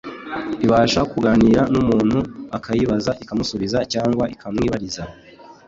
Ibasha kuganira n’umuntu akayibaza ikamusubiza cyangwa ikamwibariza